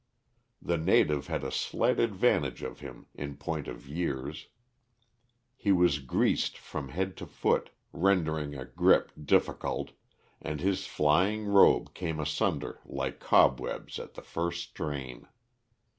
The native had a slight advantage of him in point of years; he was greased from head to foot, rendering a grip difficult, and his flying robe came asunder like cobwebs at the first strain.